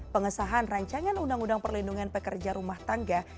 pengesahan rancangan undang undang perlindungan pekerja rumah tangga